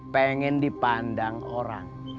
pengen dipandang orang